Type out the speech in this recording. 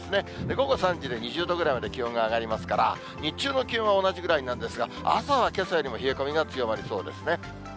午後３時で２０度ぐらいまで気温が上がりますから、日中の気温は同じぐらいなんですが、朝はけさよりも冷え込みが強まりそうですね。